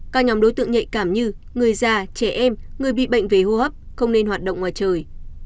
các nhóm đối tượng nhạy cảm như người già trẻ em người bị bệnh về hô hấp không nên hoạt động ngoài trời